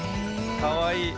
かわいい。